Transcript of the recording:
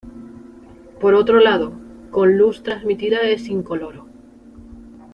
Por otro lado, con luz transmitida es incoloro.